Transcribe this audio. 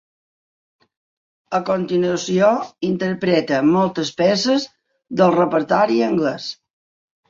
A continuació interpreta moltes peces del repertori anglès.